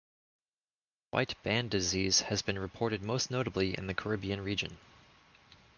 White band disease has been reported most notably in the Caribbean region.